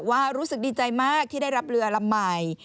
รู้สึกดีใจมากที่ได้รับเรือลำใหม่